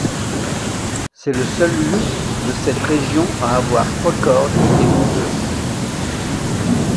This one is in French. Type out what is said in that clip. C'est le seul luth de cette région à avoir trois cordes et non deux.